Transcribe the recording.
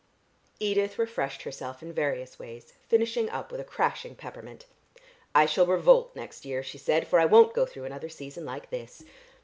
Edith refreshed herself in various ways, finishing up with a crashing peppermint. "I shall revolt next year," she said, "for I won't go through another season like this.